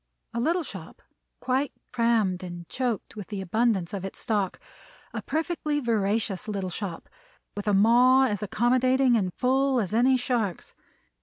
A little shop, quite crammed and choked with the abundance of its stock; a perfectly voracious little shop, with a maw as accommodating and full as any shark's.